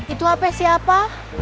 itu hp siapa